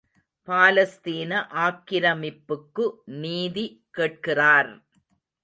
பாலஸ்தீன ஆக்கிரமிப்புக்கு நீதி கேட்கிறார்!